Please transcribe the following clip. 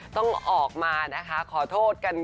ต้องออกมานะคะขอโทษกัน